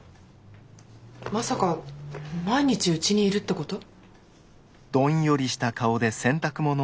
まさか毎日うちにいるってこと？